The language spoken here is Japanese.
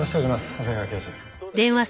長谷川教授。